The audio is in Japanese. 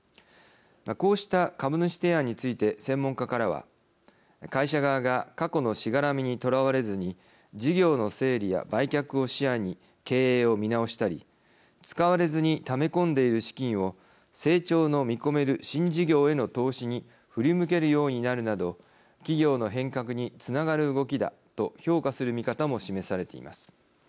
こうした株主提案について専門家からは、会社側が過去のしがらみにとらわれずに事業の整理や売却を視野に経営を見直したり使われずにため込んでいる資金を成長の見込める新事業への投資に振り向けるようになるなど企業の変革につながる動きだと評価する見方も示されています。